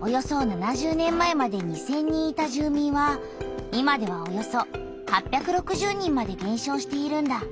およそ７０年前まで２，０００人いた住みんは今ではおよそ８６０人までげん少しているんだ。